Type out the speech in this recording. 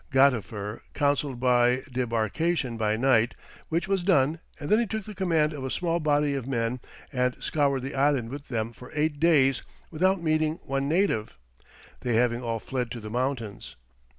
Gadifer counselled a debarcation by night, which was done, and then he took the command of a small body of men and scoured the island with them for eight days without meeting one native, they having all fled to the mountains.